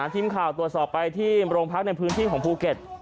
ทีมข่าวตรวจสอบไปที่โรงพักในพื้นที่ของภูเก็ต